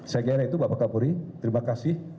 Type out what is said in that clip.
saya kira itu bapak kapolri terima kasih